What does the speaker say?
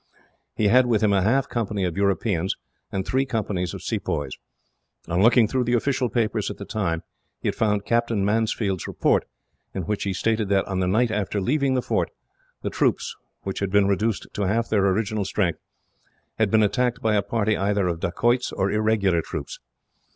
He had with him a half company of Europeans, and three companies of Sepoys. On looking through the official papers at the time, he had found Captain Mansfield's report, in which he stated that, on the night after leaving the fort, the troops, which had been reduced to half their original strength, had been attacked by a party either of dacoits or irregular troops.